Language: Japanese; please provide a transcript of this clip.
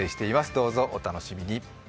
どうぞお楽しみに。